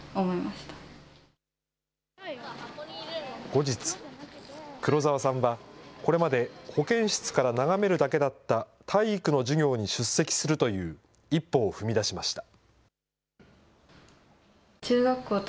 後日、黒澤さんはこれまで保健室から眺めるだけだった体育の授業に出席するという一歩を踏み出しました。